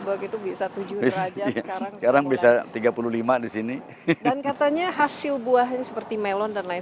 begitu bisa tujuh ribu sekarang bisa tiga puluh lima di sini dan katanya hasil buahnya seperti melon dan lain